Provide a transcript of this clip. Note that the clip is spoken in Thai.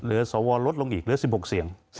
เหลือสวลลดลงอีกเหลือ๑๖เสียง